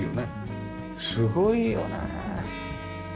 すごいよね。